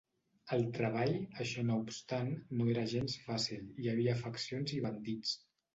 El treball, això no obstant, no era gens fàcil: hi havia faccions i bandits.